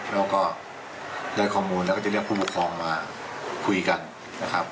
แล้วก็ได้ข้อมูลแล้วก็จะเรียกผู้ปกครองมาคุยกันนะครับ